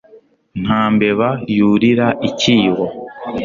nta mbeba yurira icyibo